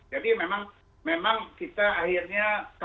jadi memang kita akhirnya